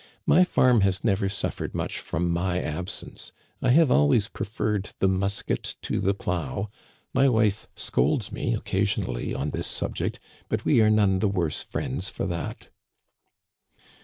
My farm has never suffered much from my absence. I have always pre ferred the musket to the plow. My wife scolds me occasionally on this subject ; but we are none the worse friends for that."